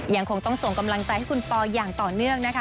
ยังคงต้องส่งกำลังใจให้คุณปออย่างต่อเนื่องนะคะ